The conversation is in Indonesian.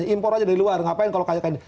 impor aja dari luar ngapain kalau kaya kayak ini